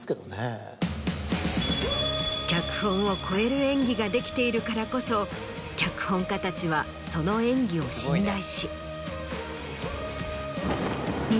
それは。ができているからこそ脚本家たちはその演技を信頼し。